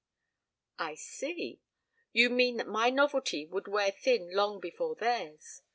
"I see. You mean that my novelty would wear thin long before theirs.